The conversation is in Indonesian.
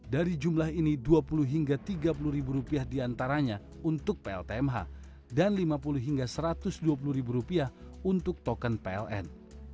dari jumlah ini dua puluh tiga puluh rupiah diantaranya untuk pltmh dan lima puluh satu ratus dua puluh rupiah untuk token pln